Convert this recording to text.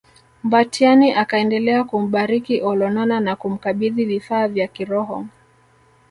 Mbatiany akaendelea kumbariki Olonana na kumkabidhi vifaa vya kiroho